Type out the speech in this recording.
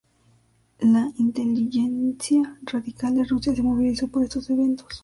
La intelligentsia radical de Rusia se movilizó por estos eventos.